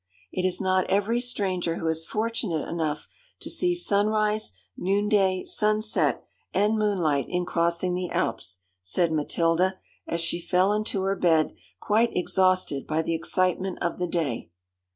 It is not every stranger who is fortunate enough to see sunrise, noonday, sunset, and moonlight in crossing the Alps,' said Matilda, as she fell into her bed quite exhausted by the excitement of the day.